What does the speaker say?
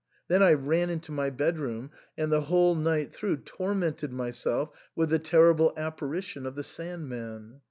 Then I ran into my bedroom, and the whole night through tormented myself with the terrible apparition of the Sand man.